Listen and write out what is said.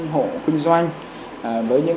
hộ kinh doanh với những